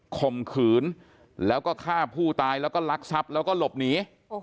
ข่มขืนแล้วก็ฆ่าผู้ตายแล้วก็ลักทรัพย์แล้วก็หลบหนี